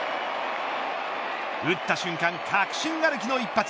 打った瞬間、確信歩きの一発。